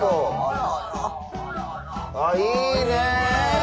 あいいね。